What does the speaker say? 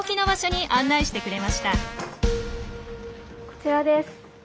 こちらです。